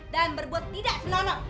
dan berbuat tidak senonoh